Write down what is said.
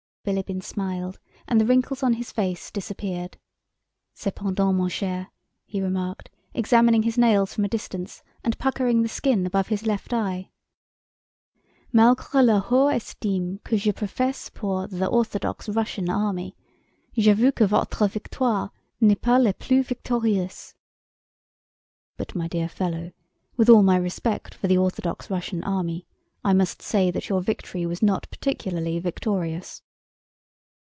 Bilíbin smiled and the wrinkles on his face disappeared. "Cependant, mon cher," he remarked, examining his nails from a distance and puckering the skin above his left eye, "malgré la haute estime que je professe pour the Orthodox Russian army, j'avoue que votre victoire n'est pas des plus victorieuses." "But my dear fellow, with all my respect for the Orthodox Russian army, I must say that your victory was not particularly victorious."